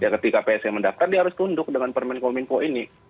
ketika psi mendaftar dia harus tunduk dengan permen kominfo ini